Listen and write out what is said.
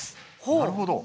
なるほど。